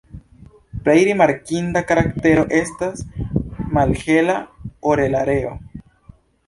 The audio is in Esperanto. Plej rimarkinda karaktero estas malhela orelareo.